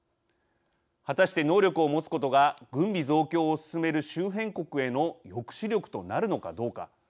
果たして能力を持つことが軍備増強を進める周辺国への抑止力となるのかどうか。